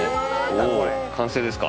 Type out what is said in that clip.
おぉ完成ですか。